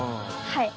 はい。